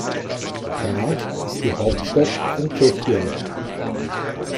Prag ist die Hauptstadt von Tschechien.